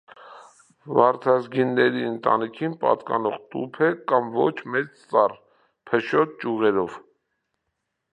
Վարդազգիների ընտանիքին պատկանող թուփ է, կամ ոչ մեծ ծառ, փշոտ ճյուղերով։